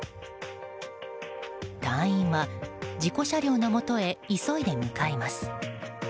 隊員は事故車両のもとへ急いで向かいます。